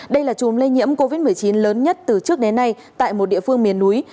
đây là chùm lây nhiễm covid một mươi chín lớn nhất từ trước đến nay tại một địa phương miền núi